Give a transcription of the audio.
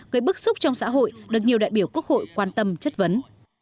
gây bức xúc trong xã hội được nhiều đại biểu quốc hội quan tâm chất vấn